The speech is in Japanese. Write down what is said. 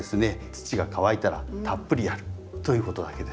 土が乾いたらたっぷりやるということだけです。